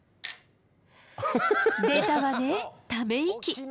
出たわねため息！